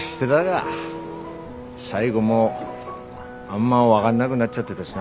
最後もうあんま分がんなぐなっちゃってたしな。